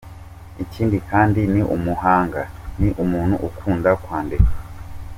Ikindi kandi ni umuhanga, ni umuntu ukunda kwandika.